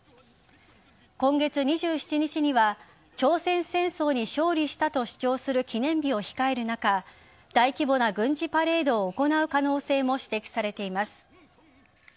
今月２７日には朝鮮戦争に勝利したと主張する記念日を控える中大規模な軍事パレードを行う可能性も指摘されています。